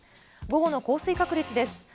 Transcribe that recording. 午後の降水確率です。